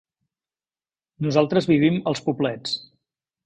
Nosaltres vivim als Poblets.